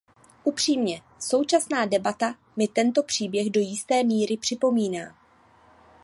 Upřímně, současná debata mi tento příběh do jisté míry připomíná.